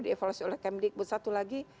dievaluasi oleh kemdikbud satu lagi